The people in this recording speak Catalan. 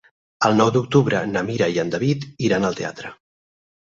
El nou d'octubre na Mira i en David aniran al teatre.